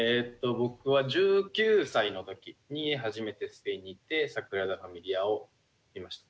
僕は１９歳の時に初めてスペインに行ってサグラダ・ファミリアを見ました。